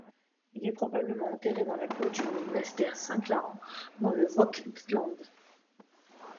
Il est probablement enterré dans la cour du monastère Saint-Klaren, dans le Vogtland.